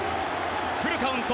フルカウント。